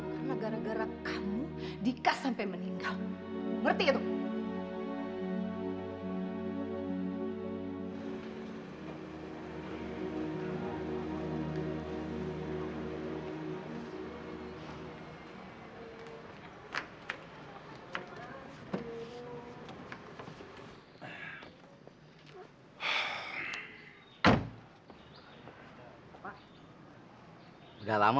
karena gara gara kamu dika sampai meninggal